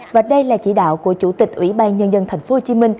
và đây là chỉ đạo của chủ tịch ủy ban nhân dân tp hcm